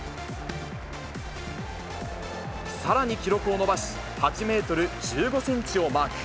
さらに記録を伸ばし、８メートル１５センチをマーク。